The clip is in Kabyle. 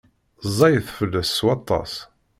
Ẓẓayet fell-as s waṭas.